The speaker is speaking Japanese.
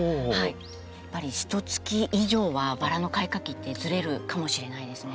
やっぱりひとつき以上はバラの開花期ってずれるかもしれないですね。